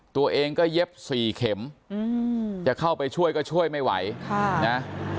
ตัวเองก็เย็บสี่เข็มจะเข้าไปช่วยก็ช่วยไม่ไหวค่ะนะ